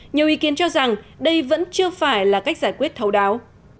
nhiều ý kiến cho rằng đây vẫn chưa phải là cách giải quyết thấu đáo